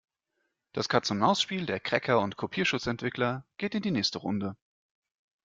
Das Katz-und-Maus-Spiel der Cracker und Kopierschutzentwickler geht in die nächste Runde.